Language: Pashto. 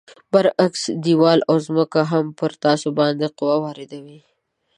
برعکس دیوال او ځمکه هم پر تاسو باندې قوه واردوي.